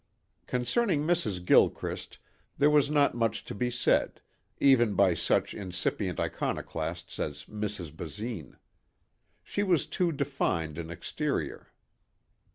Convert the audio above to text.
Concerning Mrs. Gilchrist there was not much to be said, even by such incipient iconoclasts as Mrs. Basine. She was too defined an exterior.